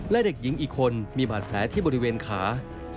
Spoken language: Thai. และเด็กหญิงอีกคนมีบาดแผลที่บริเวณขา